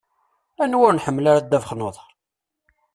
Anwa ur nḥemmel ara ddabex n uḍaṛ?